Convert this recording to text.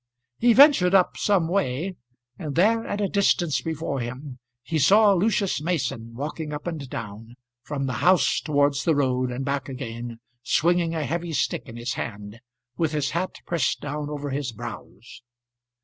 He ventured up some way, and there at a distance before him he saw Lucius Mason walking up and down, from the house towards the road and back again, swinging a heavy stick in his hand, with his hat pressed down over his brows.